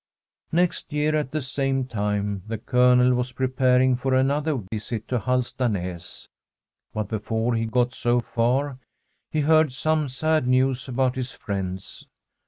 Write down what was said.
Next year, at the same time, the Colonel was preparing for another visit to Halstanas. But be fore he got so far, he heard some sad news about his friends.